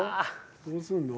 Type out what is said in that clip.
どうすんの？